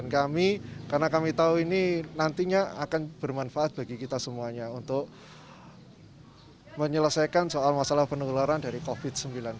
karena kami tahu ini nantinya akan bermanfaat bagi kita semuanya untuk menyelesaikan soal masalah penularan dari covid sembilan belas